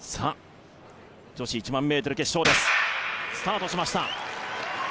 女子１００００ｍ決勝です、スタートしました。